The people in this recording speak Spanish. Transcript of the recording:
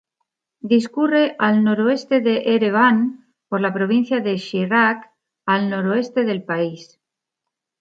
Discurre al noroeste de Ereván, por la provincia de Shirak, al noroeste del país.